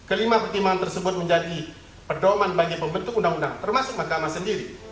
kelima pertimbangan tersebut menjadi pedoman bagi pembentuk undang undang termasuk mahkamah sendiri